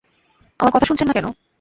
আমার কথা শুনছেন না কেন?